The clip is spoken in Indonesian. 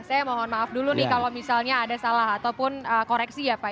saya mohon maaf dulu nih kalau misalnya ada salah ataupun koreksi ya pak